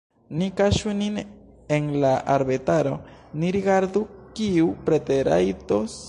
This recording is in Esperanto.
Ni kaŝu nin en la arbetaro, ni rigardu, kiu preterrajdos.